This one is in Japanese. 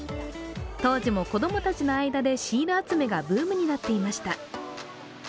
当時も、子供たちの間でシール集めがブームになっていました。